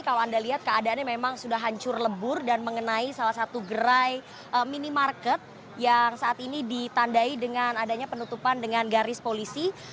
kalau anda lihat keadaannya memang sudah hancur lebur dan mengenai salah satu gerai minimarket yang saat ini ditandai dengan adanya penutupan dengan garis polisi